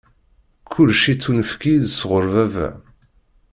Kullec ittunefk-iyi-d sɣur Baba.